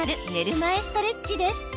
前ストレッチです。